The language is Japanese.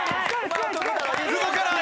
動かない。